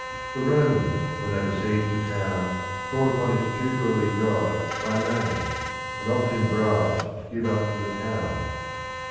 The Romans, when they besieged a town, called upon its tutelary god by name, and offered him bribes to give up the town.